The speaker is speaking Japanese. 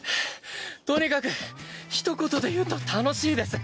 とにかくひと言で言うと楽しいです。